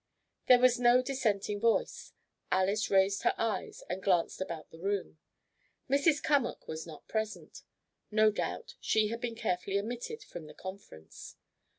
There was no dissenting voice. Alys raised her eyes and glanced about the room. Mrs. Cummack was not present. No doubt she had been carefully omitted from the conference.